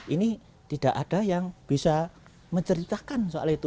ini tidak ada yang bisa menceritakan soal itu